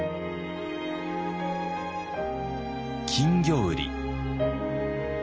金魚売り。